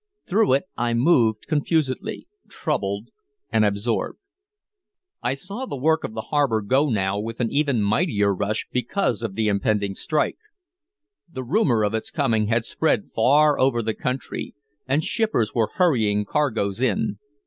Through it I moved confusedly, troubled and absorbed. I saw the work of the harbor go now with an even mightier rush, because of the impending strike. The rumor of its coming had spread far over the country, and shippers were hurrying cargoes in.